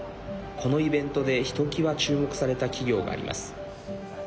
このイベントでひときわ注目された企業があります。